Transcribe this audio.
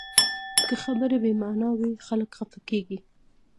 که خبرې بې معنا وي، خلک خفه کېږي